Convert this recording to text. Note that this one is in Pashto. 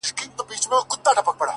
ه زيار دي دې سپين سترگي زمانې وخوړی’